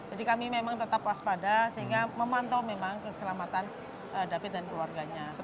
jadi kami memang tetap waspada sehingga memantau memang keselamatan david dan keluarganya